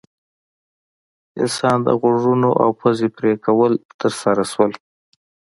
انسان د غوږونو او پزې پرې کول ترسره شول.